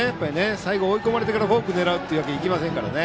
最後追い込まれてからフォークで行くというわけにはいきませんから。